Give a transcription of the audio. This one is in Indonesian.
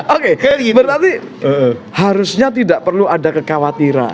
oke berarti harusnya tidak perlu ada kekhawatiran